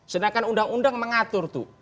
sedangkan undang undang mengatur